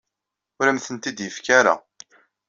Ur am-tent-id-yefki ara.